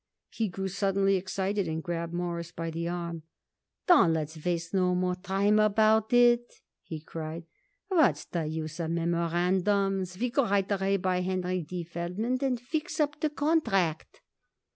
He grew suddenly excited and grabbed Morris by the arm. "Don't let's waste no time about it," he cried. "What's the use of memorandums? We go right away by Henry D. Feldman and fix up the contract."